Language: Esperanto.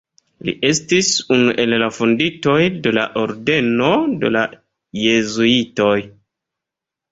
Li estis unu el la fondintoj de la ordeno de la jezuitoj.